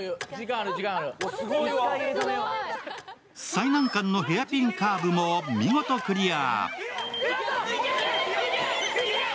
最難関のヘアピンカーブも見事クリア！